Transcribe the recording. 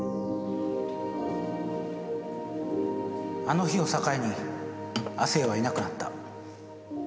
あの日を境に亜生はいなくなった。